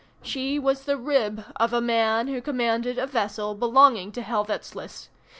She was the rib of a man who commanded a vessel belonging to Helvoetsluys.